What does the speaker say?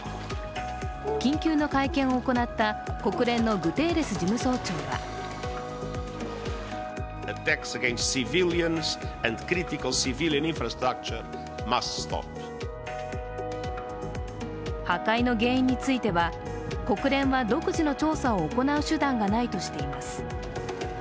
緊急の会見を行った国連のグテーレス事務総長は破壊の原因については、国連は独自の調査を行う手段がないとしています。